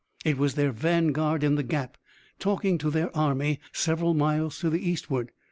"It was their vanguard in the Gap, talking to their army several miles to the eastward.